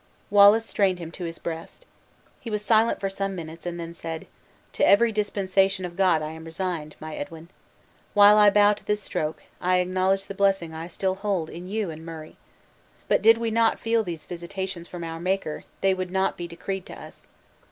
Wallace strained him to his breast. He was silent for some minutes, and then said: "To every dispensation of God I am resigned, my Edwin. While I bow to this stroke, I acknowledge the blessing I still hold in you and Murray. But did we not feel these visitations from our Maker, they would not be decreed to us.